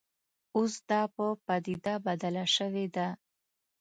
اوس دا په پدیده بدله شوې ده